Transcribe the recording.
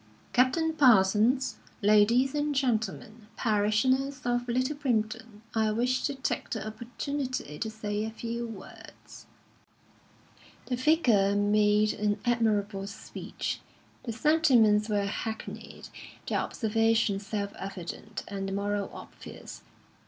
"Captain Parsons, ladies and gentlemen, parishioners of Little Primpton, I wish to take the opportunity to say a few words." The Vicar made an admirable speech. The sentiments were hackneyed, the observations self evident, and the moral obvious.